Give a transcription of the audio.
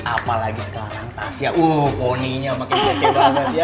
apalagi sekarang tasya wuhh poninya makin jelajah